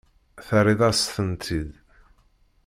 Terriḍ-as-tent-id.